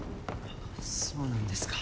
そうなんですか。